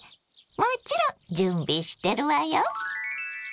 もちろん準備してるわよ。